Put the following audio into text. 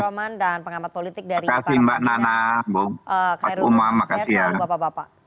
terima kasih pak berman dan pengamat politik dari kepala pemerintah